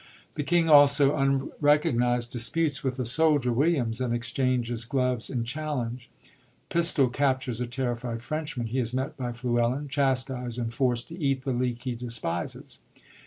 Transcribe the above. The king also, unrecognised, disputes with a soldier, Williams, and exchanges gloves in challenge. Pistol captures a terrified Frenchman ; he is met by Fluellen, chastised and forced to eat the leek he despises.